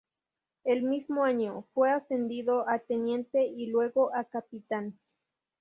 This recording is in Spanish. El mismo año, fue ascendido a teniente, y luego a capitán.